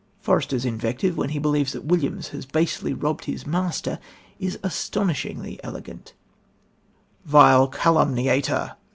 Forester's invective, when he believes that Williams has basely robbed his master is astonishingly elegant: "Vile calumniator!